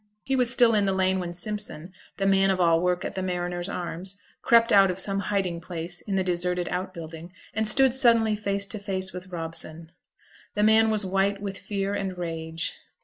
He was still in the lane when Simpson, the man of all work at the Mariners' Arms, crept out of some hiding place in the deserted outbuilding, and stood suddenly face to face with Robson. The man was white with fear and rage.